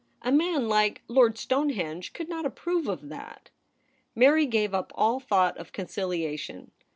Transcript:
A man like Lord Stonehenge could not approve of that.' Mary gave up all thought of conciliation.